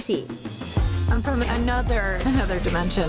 saya dari dimensi lain